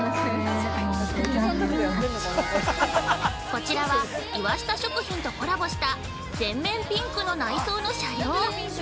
◆こちらは岩下食品とコラボした全面ピンクの内装の車両。